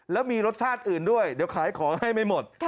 แล้วมีรสชาติอื่นด้วยเดี๋ยวขายของให้ไม่หมด